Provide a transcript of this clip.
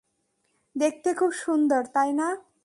দেখতে খুব সুন্দর, তাই না?